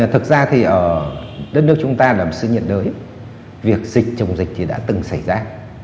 thực ra thì ở đất nước chúng ta là một sự nhiệt đới việc dịch chống dịch thì đã từng xảy ra